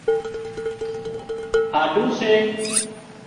هاڍُو سي